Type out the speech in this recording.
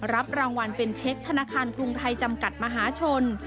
รับรางวัลเป็นเช็คธนาคารกรุงไทยจำกัดมหาชน